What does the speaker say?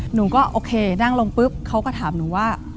หนูก็โอเคนั่งลงปุ๊บเขาก็ถามหนูว่า